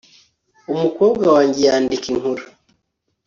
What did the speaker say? umukobwa wanjye yandika inkuru